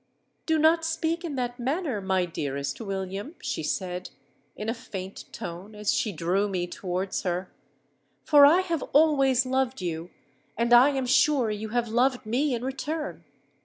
'Do not speak in that manner, my dearest William,' she said, in a faint tone, as she drew me towards her; 'for I have always loved you, and I am sure you have loved me in return.